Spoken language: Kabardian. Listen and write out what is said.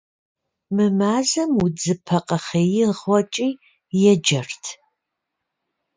Мы мазэм удзыпэ къэхъеигъуэкӀи еджэрт.